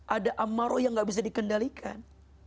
ada amaroh yang gak bisa dikendalikan